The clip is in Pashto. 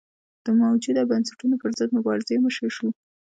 د موجوده بنسټونو پرضد مبارزې مشر شو.